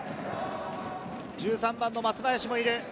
１３番の松林もいる。